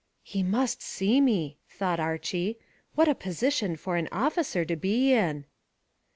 "He must see me," thought Archy. "What a position for an officer to be in!"